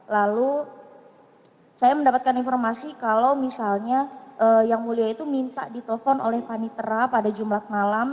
lalu saya mendapatkan informasi kalau misalnya yang mulia itu minta di telepon oleh panitera pada jumlah kemalam